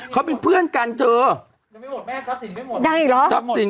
เขาเป็นเพื่อนกันเธอยังไม่หมดแม่ทรัพย์สินไปหมดดังอีกเหรอทรัพย์สิน